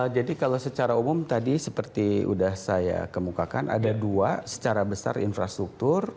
jadi kalau secara umum tadi seperti sudah saya kemukakan ada dua secara besar infrastruktur